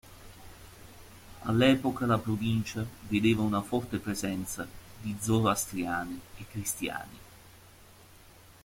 All'epoca la provincia vedeva una forte presenza di zoroastriani e cristiani.